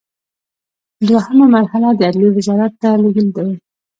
دوهمه مرحله د عدلیې وزارت ته لیږل دي.